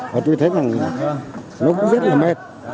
và tôi thấy rằng nó cũng rất là mệt